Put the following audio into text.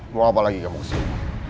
mau apa lagi kamu kasih